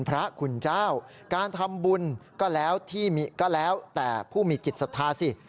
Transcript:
เขาจะใส่บาทรูปไหนองค์ไหน